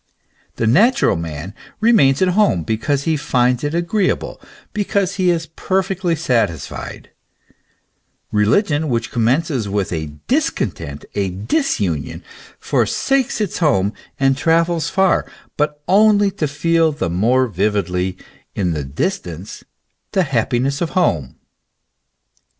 The natural man remains at home because he finds it agreeable, because he is perfectly satisfied ; religion which commences with a discontent, a disunion, forsakes its home and travels far, but only to feel the more vividly in the distance the happiness of home.